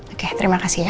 oke terima kasih ya